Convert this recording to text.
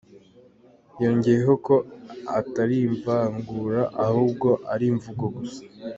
" Yongeyeho ko "atari ivangura, ahubwo ko ari imvugo gusa".